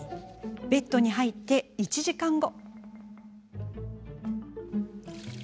ベッドに入って１時間後。